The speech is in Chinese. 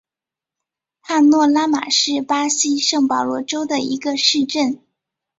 帕诺拉马是巴西圣保罗州的一个市镇。